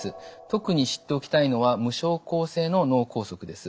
特に知っておきたいのは無症候性の脳梗塞です。